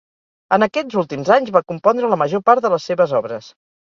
En aquests últims anys va compondre la major part de les seves obres.